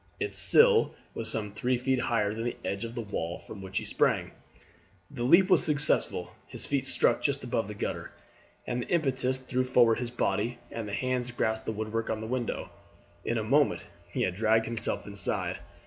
Its sill was some three feet higher than the edge of the wall from which he sprang. The leap was successful; his feet struck just upon the gutter, and the impetus threw forward his body, and his hands grasped the woodwork of the window. In a moment he had dragged himself inside.